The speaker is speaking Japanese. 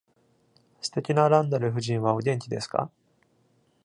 素敵なランダル夫人はお元気ですか。